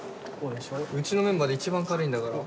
うちのメンバーで一番軽いんだから。